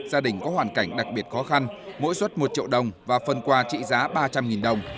gia đình có hoàn cảnh đặc biệt khó khăn mỗi xuất một triệu đồng và phần quà trị giá ba trăm linh đồng